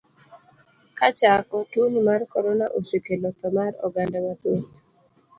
Kachako, tuoni mar korona osekelo tho mar oganda mathoth.